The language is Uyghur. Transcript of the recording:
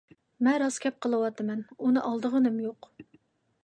مەن راست گەپ قىلىۋاتىمەن، ئۇنى ئالدىغىنىم يوق.